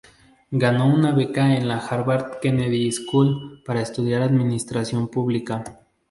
Ganó una beca en la Harvard Kennedy School para estudiar administración pública.